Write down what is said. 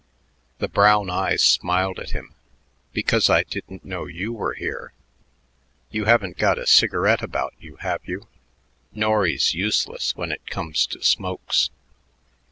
The brown eyes smiled at him. "Because I didn't know you were here. You haven't got a cigarette about you, have you? Norry's useless when it comes to smokes."